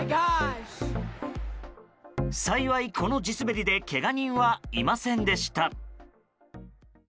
幸い、この地滑りでけが人はいませんでした。